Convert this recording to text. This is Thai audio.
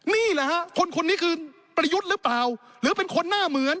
นี่แหละฮะคนคนนี้คือประยุทธ์หรือเปล่าหรือเป็นคนหน้าเหมือน